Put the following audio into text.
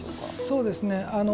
そうですね。